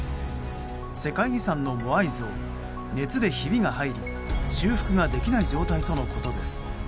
世界遺産のモアイ像熱でひびが入り修復ができない状態とのことです。